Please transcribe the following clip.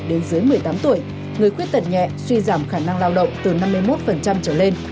đến dưới một mươi tám tuổi người khuyết tật nhẹ suy giảm khả năng lao động từ năm mươi một trở lên